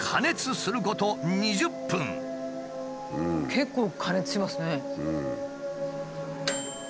結構加熱しますね。